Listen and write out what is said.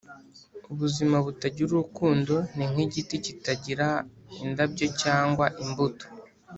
“ubuzima butagira urukundo ni nk'igiti kitagira indabyo cyangwa imbuto.”